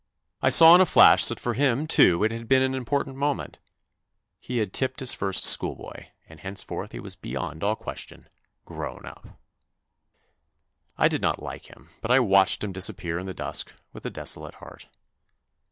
I saw in a flash that for him, too, it had been an important moment ; he had tipped his first schoolboy, and henceforth he was beyond all question grown up. I did not like him, but I watched him dis appear in the dusk with a desolate heart.